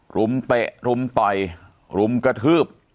หลุมเตะหลุมต่อยหลุมกระทืบ